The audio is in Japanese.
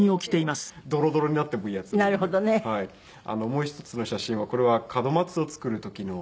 もう一つの写真はこれは門松を作る時の。